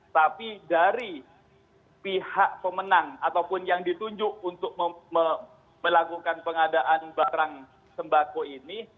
tapi dari pihak pemenang ataupun yang ditunjuk untuk melakukan pengadaan barang sembako ini